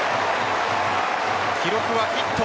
記録はヒット。